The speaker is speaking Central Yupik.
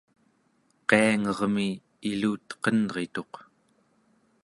qiangermi iluteqenrituq